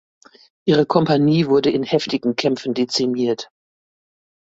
Ihre Kompanie wurde in heftigen Kämpfen dezimiert.